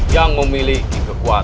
yang memiliki kekuatan